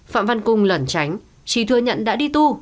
phạm văn cung lẩn tránh trí thừa nhận đã đi tu